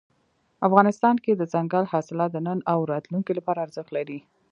افغانستان کې دځنګل حاصلات د نن او راتلونکي لپاره ارزښت لري.